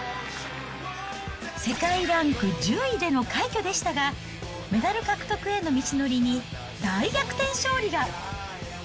世界ランク１０位での快挙でしたが、メダル獲得への道のりに大逆転勝利が。